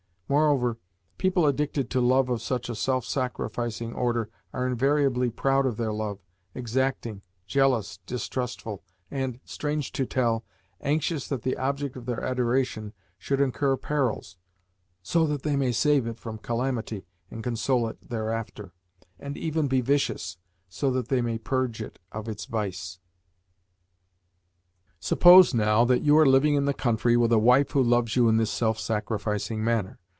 Moreover, people addicted to love of such a self sacrificing order are invariably proud of their love, exacting, jealous, distrustful, and strange to tell anxious that the object of their adoration should incur perils (so that they may save it from calamity, and console it thereafter) and even be vicious (so that they may purge it of its vice). Suppose, now, that you are living in the country with a wife who loves you in this self sacrificing manner.